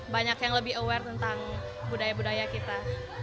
banyak yang lebih aware tentang budaya budaya kita